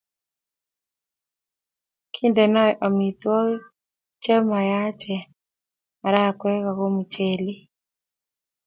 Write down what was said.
kindenoi amitwogik chemayachen marakwek ago muchelek